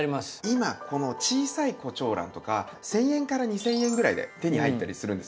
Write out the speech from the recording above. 今この小さいコチョウランとか１，０００円から２，０００円ぐらいで手に入ったりするんですよ